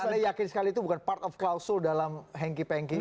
anda yakin sekali itu bukan part of klausul dalam hengki pengki